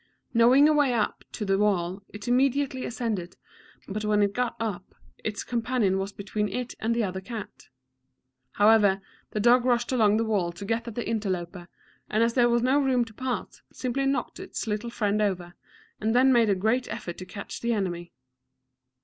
Knowing a way up on to the wall, it immediately ascended, but when it got up, its companion was between it and the other cat. However, the dog rushed along the wall to get at the interloper, and as there was no room to pass, simply knocked its little friend over, and then made a great effort to catch the enemy.